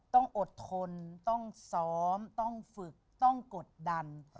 ต้องอดทนต้องซ้อมต้องฝึกต้องกดดัน